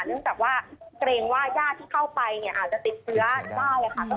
เนื่องจากว่าเกรงว่ายาดที่เข้าไปอาจจะติดเชื้อมากเลยค่ะ